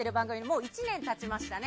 もう１年、経ちましたね。